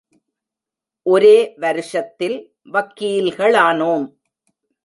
ஒரே வருஷத்தில் வக்கீல்களானோம்.